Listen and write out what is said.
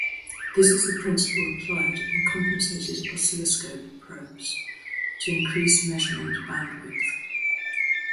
This is the principle applied in compensated oscilloscope probes to increase measurement bandwidth.